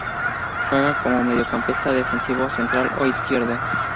Juega como mediocampista defensivo central o izquierdo.